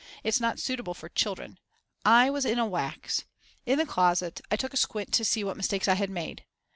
It's not suitable for children. I was in a wax. In the closet I took a squint to see what mistakes I had made.